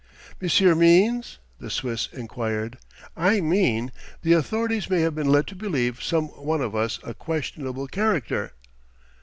"Monsieur means ?" the Swiss enquired. "I mean, the authorities may have been led to believe some one of us a questionable character."